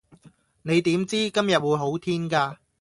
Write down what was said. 你點知今日會好天架